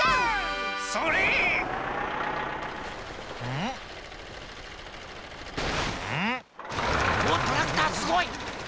おっトラクターすごい！